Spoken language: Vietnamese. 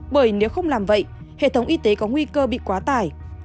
bởi nếu không làm vậy hệ thống y tế có nguy cơ bị quá tải